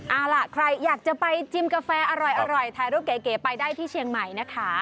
เอาล่ะใครอยากจะไปจิ้มกาแฟอร่อยถ่ายรูปเก๋ไปได้ที่เชียงใหม่นะคะ